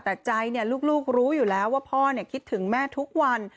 แต่ใจลูกรู้อยู่แล้วว่าพ่อคิดถึงแม่ทุกวัน